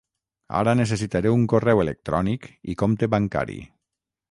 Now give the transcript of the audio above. Ara necessitaré un correu electrònic i compte bancari.